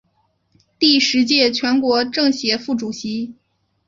第十届全国政协副主席。